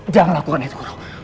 jangan lakukan itu guru